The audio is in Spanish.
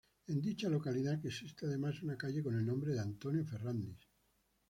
En dicha localidad existe además una calle con el nombre de ""Antonio Ferrandis.